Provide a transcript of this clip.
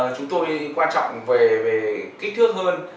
chúng tôi quan trọng về kích thước hơn